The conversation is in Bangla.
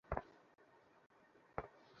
যন্ত্রীদের সুরের তাল মাঝে মাঝে কেটে যায়।